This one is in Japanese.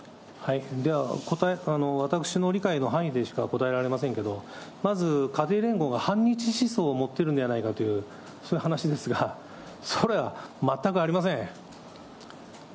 では、私の理解の範囲でしか答えられませんけれども、まず家庭連合が反日思想を持っているんじゃないかという、そういう話ですが、それは全くありません。